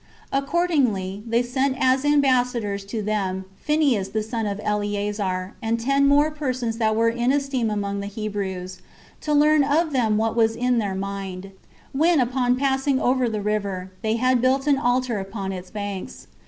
Accordingly, they sent as ambassadors to them Phineas the son of Eleazar, and ten more persons that were in esteem among the Hebrews, to learn of them what was in their mind, when, upon passing over the river, they had built an altar upon its banks.